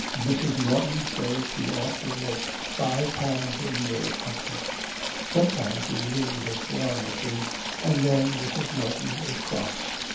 Mrs. Norton says she ought to make five pounds a year on each. Sometimes we lose a swarm or two, and then Mrs. Norton is cross.